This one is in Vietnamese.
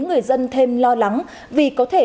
người dân thêm lo lắng vì có thể